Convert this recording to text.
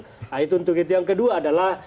nah itu untuk itu yang kedua adalah